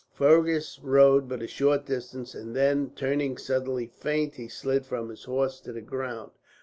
Fergus rode but a short distance and then, turning suddenly faint, he slid from his horse to the ground.